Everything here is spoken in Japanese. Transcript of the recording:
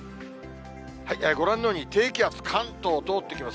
ご覧のように、低気圧、関東通っていきます。